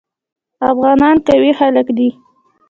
افغانان قوي خلک دي.